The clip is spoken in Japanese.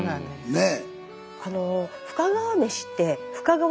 ねえ。